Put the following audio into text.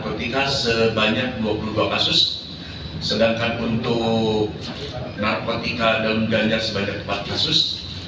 vertika sebanyak dua puluh dua kasus sedangkan untuk narkotika daun ganja sebanyak empat kasus